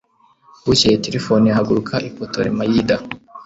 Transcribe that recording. bukeye, tirifoni ahaguruka i putolemayida